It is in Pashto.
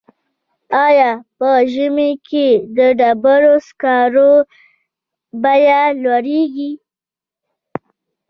آیا په ژمي کې د ډبرو سکرو بیه لوړیږي؟